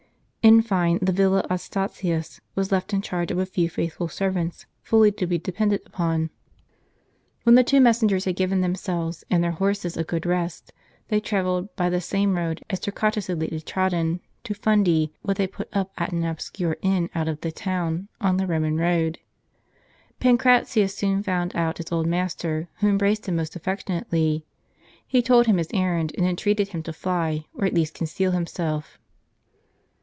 In fine, the villa ad Stattias was left in charge of a few faithful servants, fully to be depended upon. When the two messengers had given themselves and their horses a good rest, they travelled, by the same road as Torqua tus had lately trodden, to Fundi, where they put uj) at an obscure inn out of the town, on the Roman road. Pancratius soon found out his old master, who embraced him most affec tionately. He told him his errand, and entreated him to fly, or at least conceal himself.